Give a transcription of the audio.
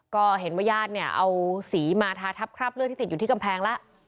ก็เห็นว่าญาติเนี่ยเอาสีมาทาทับคราบเลือดที่ติดอยู่ที่กำแพงแล้ว